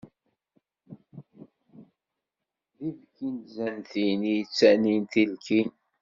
D ibki n tzantin, i yettanin tilkin.